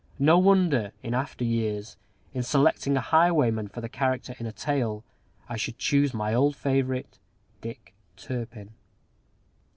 No wonder, in after years, in selecting a highwayman for a character in a tale, I should choose my old favorite, Dick Turpin.